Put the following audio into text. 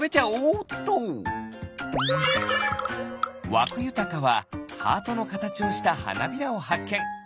わくゆたかはハートのかたちをしたはなびらをはっけん。